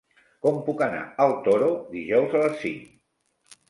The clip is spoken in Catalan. Com puc anar al Toro dijous a les cinc?